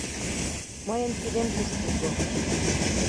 — Мыйын кидем куштылго.